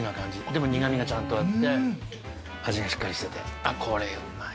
でも苦味がちゃんとあって味がしっかりしててこれうまい。